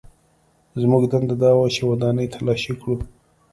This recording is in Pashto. زموږ دنده دا وه چې ودانۍ تلاشي کړو